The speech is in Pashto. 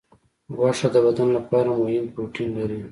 غوښه د بدن لپاره مهم پروټین لري.